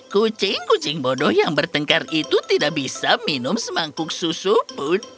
kucing kucing bodoh yang bertengkar itu tidak bisa minum semangkuk susu pun